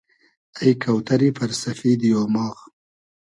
اݷ کۆتئری پئر سئفیدی اۉماغ